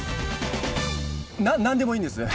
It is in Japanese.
な何でもいいんです。